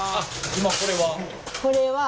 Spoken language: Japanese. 今これは？